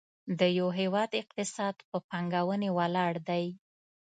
د یو هېواد اقتصاد په پانګونې ولاړ دی.